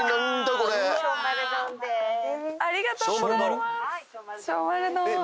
これありがとうございます